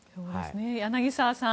柳澤さん